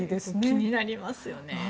気になりますよね。